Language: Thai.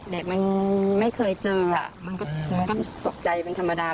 เด็กมันไม่เคยเจอมันก็ตกใจเป็นธรรมดา